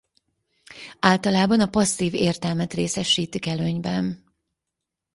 Általában a passzív értelmet részesítik előnyben.